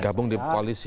gabung di koalisi